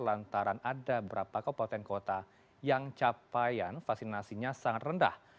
lantaran ada beberapa kabupaten kota yang capaian vaksinasinya sangat rendah